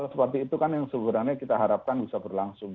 seperti itu kan yang sebenarnya kita harapkan bisa berlangsung